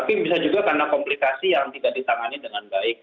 tapi bisa juga karena komplikasi yang tidak ditangani dengan baik